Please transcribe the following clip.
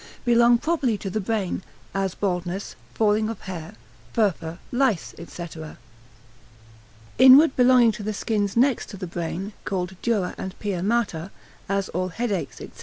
belonging properly to the brain, as baldness, falling of hair, furfur, lice, &c. Inward belonging to the skins next to the brain, called dura and pia mater, as all headaches, &c.